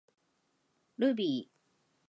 ルビー